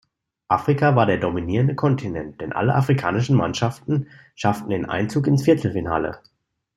Afrika war der dominierende Kontinent, denn alle afrikanischen Mannschaften schafften den Einzug ins Viertelfinale.